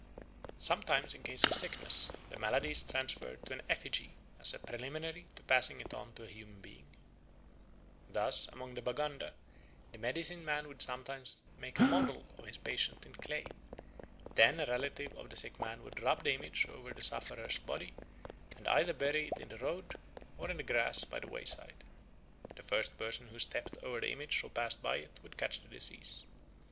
Sometimes in case of sickness the malady is transferred to an effigy as a preliminary to passing it on to a human being. Thus among the Baganda the medicine man would sometimes make a model of his patient in clay; then a relative of the sick man would rub the image over the sufferer's body and either bury it in the road \??\ it in the grass by the wayside. The first person who stepped over the image or passed by it would catch the disease.